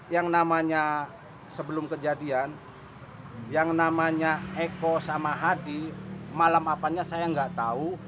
yang namanya sebelum kejadian yang namanya eko sama hadi malam apanya saya nggak tahu